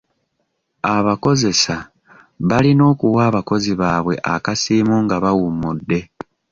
Abakozesa balina okuwa abakozi baabwe akasiimu nga bawummudde.